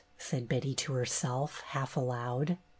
said Betty to herself, half aloud.